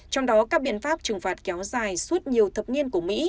trong đó các biện pháp trừng phạt kéo dài suốt nhiều thập niên của mỹ